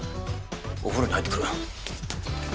お風呂に入ってくる。